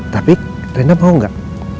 tapi rena mau gak